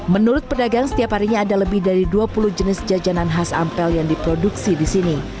menurut pedagang setiap harinya ada lebih dari dua puluh jenis jajanan khas ampel yang diproduksi di sini